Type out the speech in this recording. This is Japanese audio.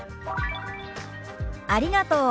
「ありがとう」。